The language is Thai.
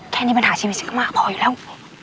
แค่นี้ปัญหาชีวิตฉันก็มากพออยู่แล้ว